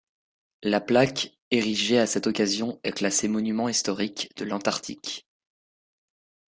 La plaque érigée à cette occasion est classée monument historique de l'Antarctique.